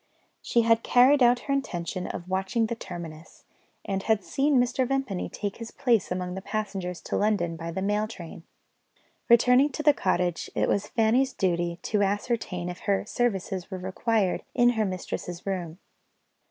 She had carried out her intention of watching the terminus, and had seen Mr. Vimpany take his place among the passengers to London by the mail train. Returning to the cottage, it was Fanny's duty to ascertain if her services were required in her mistress's room.